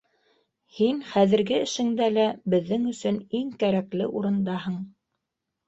Һин хәҙерге эшеңдә лә беҙҙең өсөн иң кәрәкле урындаһың.